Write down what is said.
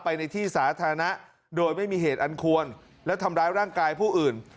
ในที่สาธารณะโดยไม่มีเหตุอันควรและทำร้ายร่างกายผู้อื่น